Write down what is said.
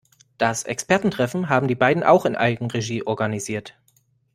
Das Expertentreffen haben die beiden auch in Eigenregie organisiert.